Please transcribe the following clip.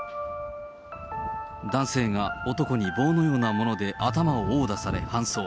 男性が男に棒のようなもので頭を殴打され搬送。